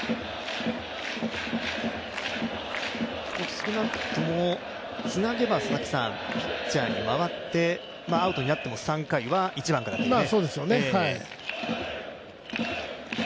少なくとも、つなげばピッチャーに回ってアウトになっても３回は１番からですね。